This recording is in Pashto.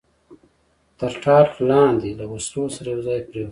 تر ټاټ لاندې له وسلو سره یو ځای پرېوتم.